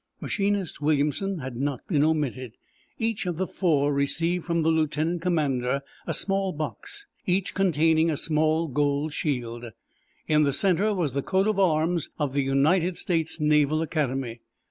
Machinist Williamson had not been omitted. Each of the four received from the lieutenant commander a small box, each containing a small gold shield. In the center was the coat of arms of the United States Naval Academy.